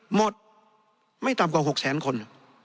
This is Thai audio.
หมดไม่ต่ำกว่า๖แสนคน